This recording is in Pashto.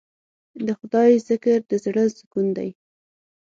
د خدای ذکر د زړه سکون دی.